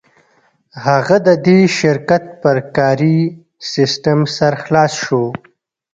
هغه د دې شرکت پر کاري سیسټم سر خلاص شو